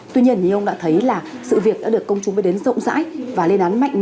tuy nhiên thì ông đã thấy là sự việc đã được công chúng mới đến rộng rãi